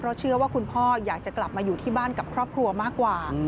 เพราะเชื่อว่าคุณพ่ออยากจะกลับมาอยู่ที่บ้านกับครอบครัวมากกว่า